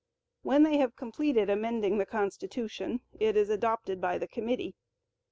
When they have completed amending the Constitution, it is adopted by the committee.